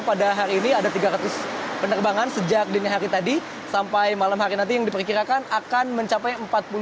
pada hari ini ada tiga ratus penerbangan sejak dini hari tadi sampai malam hari nanti yang diperkirakan akan mencapai empat puluh lima